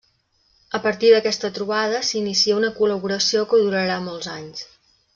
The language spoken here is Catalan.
A partir d'aquesta trobada s'inicia una col·laboració que durarà molts anys.